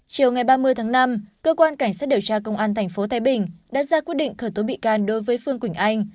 chiều ngày ba mươi tháng năm cơ quan cảnh sát điều tra công an tp thái bình đã ra quyết định khởi tố bị can đối với phương quỳnh anh